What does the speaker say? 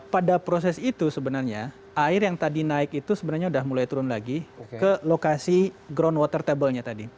pada proses itu sebenarnya air yang tadi naik itu sebenarnya sudah mulai turun lagi ke lokasi ground water table nya tadi